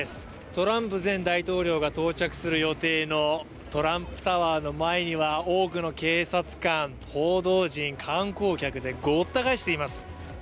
トランプ前大統領が到着する予定のトランプタワーの前には多くの警察官、報道陣、観光客でごった返しています。